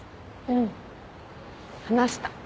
うん話した。